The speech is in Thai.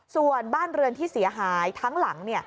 ส่วนบ้านเรือนที่เสียหายทั้งหลัง